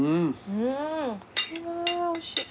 うわおいしい。